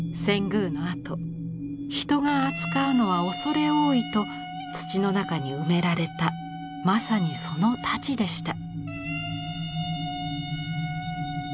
遷宮のあと人が扱うのは畏れ多いと土の中に埋められたまさにその太刀でした。